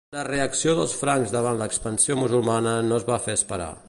La reacció dels francs davant l'expansió musulmana no es fa esperar.